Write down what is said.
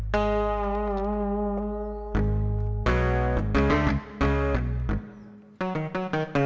boleh saya membawakan